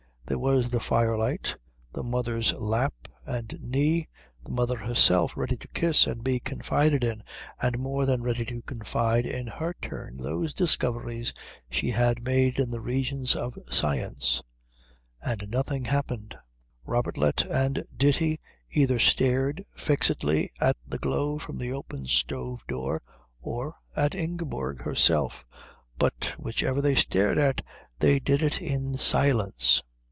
There was the firelight, the mother's lap and knee, the mother herself ready to kiss and be confided in and more than ready to confide in her turn those discoveries she had made in the regions of science, and nothing happened. Robertlet and Ditti either stared fixedly at the glow from the open stove door or at Ingeborg herself; but whichever they stared at they did it in silence.